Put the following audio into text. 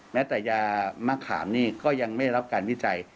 แม้แต่ยามะขามนี่ก็ยังไม่ได้รับการวิจัย